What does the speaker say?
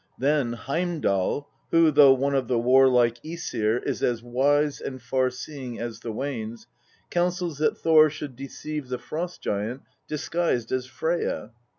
Then Heimdal who, though one of the warlike JEsir, is as wise and far seeing as the Wanes, counsels that Thor should deceive the Frost giant disguised as Freyja.